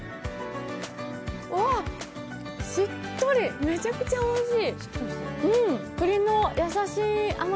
うわっ、しっとり、めちゃめちゃおいしい。